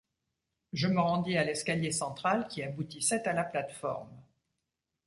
Je me rendis à l’escalier central qui aboutissait à la plate-forme.